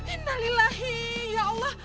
innalillahi ya allah